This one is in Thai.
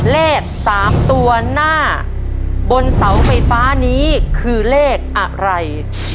เลข๓ตัวหน้าบนเสาไฟฟ้านี้คือเลขอะไร